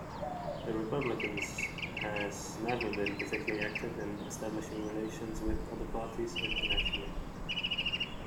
The Republicans has never been particularly active in establishing relations with other parties internationally.